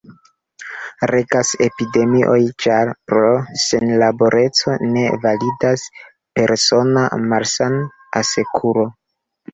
Regas epidemioj ĉar, pro senlaboreco, ne validas persona malsan-asekuro.